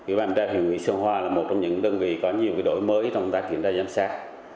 ubkc huyện ủy sơn hòa là một trong những đơn vị có nhiều đổi mới trong tác kiểm tra giám sát